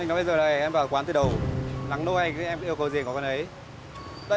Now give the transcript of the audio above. anh nói bây giờ này em vào quán từ đầu nắng nô anh em yêu cầu gì cũng có cái đấy